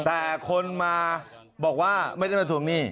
แต่คนมาบอกว่าไม่ได้มาทวงหนี้